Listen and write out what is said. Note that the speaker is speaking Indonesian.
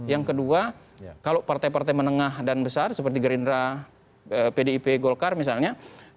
yang kedua kalau partai partai menengah dan besar seperti gerindra pdip golkar misalnya